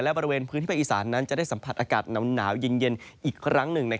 และบริเวณพื้นที่ภาคอีสานนั้นจะได้สัมผัสอากาศหนาวเย็นอีกครั้งหนึ่ง